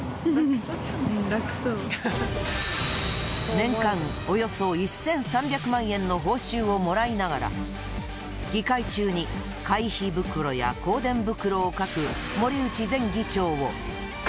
年間およそ１３００万円の報酬をもらいながら議会中に会費袋や香典袋を書く森内前議長を。